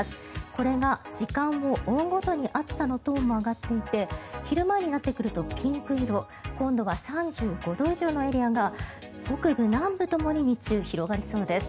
これが時間を追うごとに暑さのトーンも上がっていて昼前になってくるとピンク色今度は３５度以上のエリアが北部、南部ともに日中、広がりそうです。